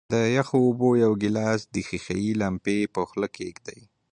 د یخو اوبو یو ګیلاس د ښيښې لمپې په خولې کیږدئ.